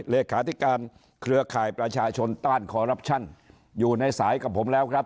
เลขาธิการเครือข่ายประชาชนต้านคอรัปชั่นอยู่ในสายกับผมแล้วครับ